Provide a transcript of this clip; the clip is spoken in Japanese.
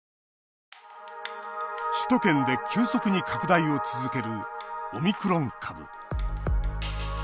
首都圏で急速に拡大を続けるオミクロン株。